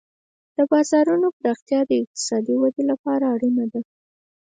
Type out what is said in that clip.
د بازارونو پراختیا د اقتصادي ودې لپاره اړین دی.